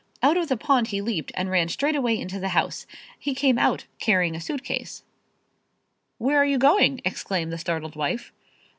Out of the pond he leaped and ran straightaway into the house. He came out carrying a suitcase. "Where are you going?" exclaimed the startled wife.